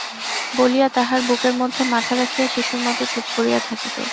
বলিয়া তাঁহার বুকের মধ্যে মাথা রাখিয়া শিশুর মতো চুপ করিয়া থাকিত।